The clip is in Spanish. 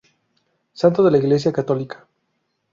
Santo de la iglesia católica.